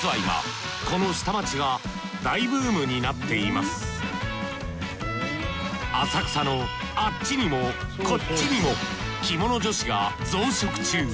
ですが浅草のあっちにもこっちにも着物女子が増殖中。